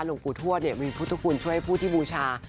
หลวงปู่ทวดมีพุทธคุณช่วยผู้ที่บูชา